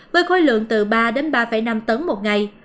với khối lượng từ ba đến ba năm tấn một ngày